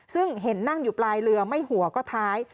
ซึ่งเห็นนั่งอยู่ปลายเรือไม่หัวก็ท้าย